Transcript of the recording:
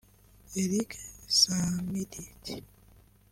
Eric Schmidt